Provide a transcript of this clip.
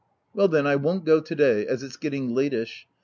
''" Well then, I won't go to day, as it's getting latish.